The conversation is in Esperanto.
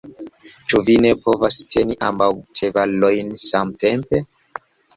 Ĉu vi ne povas teni ambaŭ ĉevalojn samtempe?